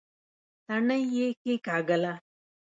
تڼۍ يې کېکاږله.